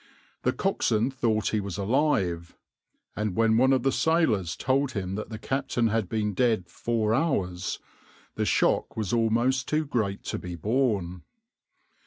The coxswain thought he was alive, and when one of the sailors told him that the captain had been dead four hours, the shock was almost too great to be borne.